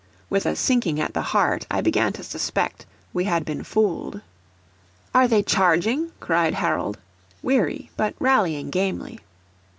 With a sinking at the heart, I began to suspect we had been fooled. "Are they charging?" cried Harold, weary, but rallying gamely.